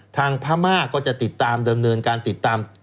พม่าก็จะติดตามดำเนินการติดตาม